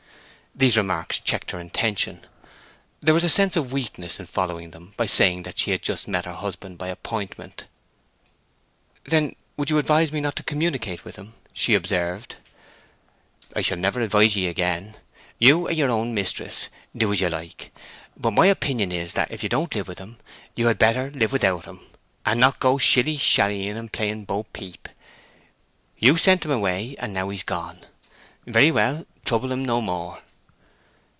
These remarks checked her intention. There was a sense of weakness in following them by saying that she had just met her husband by appointment. "Then you would advise me not to communicate with him?" she observed. "I shall never advise ye again. You are your own mistress—do as you like. But my opinion is that if you don't live with him, you had better live without him, and not go shilly shallying and playing bopeep. You sent him away; and now he's gone. Very well; trouble him no more."